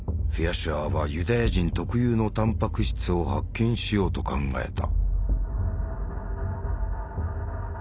シュアーはユダヤ人特有のタンパク質を発見しようと考えた。